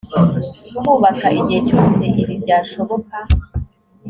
kubaka igihe cyose ibi byashoboka